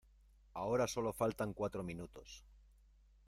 ahora solo faltan cuatro minutos.